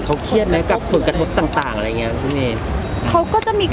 กลัวมีรับโปรปิตตี้หรือไง